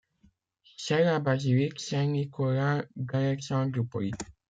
C'est la basilique Saint-Nicolas d'Alexandroupoli.